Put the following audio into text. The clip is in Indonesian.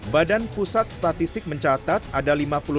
badan pusat statistik mencatat ada lima puluh lima tujuh ratus dua puluh